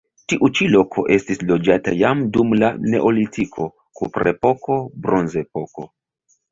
Tiu ĉi loko estis loĝata jam dum la neolitiko, kuprepoko, bronzepoko.